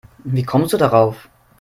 Wie kommst du darauf?